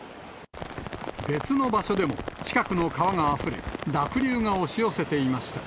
別の場所でも、近くの川があふれ、濁流が押し寄せていました。